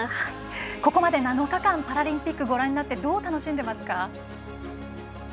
ここまで７日間パラリンピックご覧になってどう楽しんでいますか？